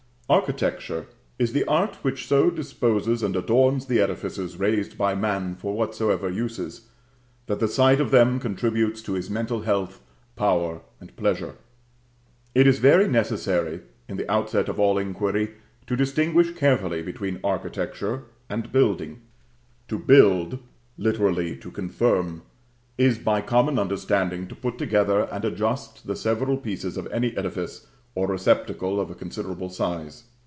Architecture is the art which so disposes and adorns the edifices raised by man for whatsoever uses, that the sight of them contributes to his mental health, power and pleasure. It is very necessary, in the outset of all inquiry, to distinguish carefully between Architecture and Building. To build, literally to confirm, is by common understanding to put together and adjust the several pieces of any edifice or receptacle of a considerable size.